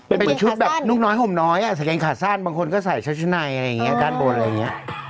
เป็นชุดแบบลูกน้อยห่มน้อยใส่เกงขาสั้นบางคนก็ใส่ชุดชั้นในอะไรอย่างนี้ด้านบนอะไรอย่างนี้